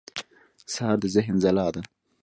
سهار د ذهن ځلا ده.